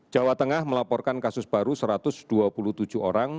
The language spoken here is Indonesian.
jawa tengah melaporkan kasus baru satu ratus dua puluh tujuh orang